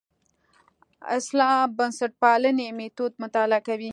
اسلام بنسټپالنې میتود مطالعه کوي.